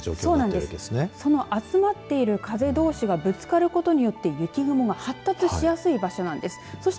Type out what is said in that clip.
その集まってる風どうしがぶつかることによって雪雲が発達しやすい場所なんです。